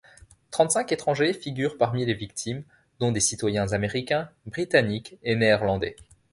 Trente-cinq étrangers figurent parmi les victimes, dont des citoyens américains, britanniques et néerlandais.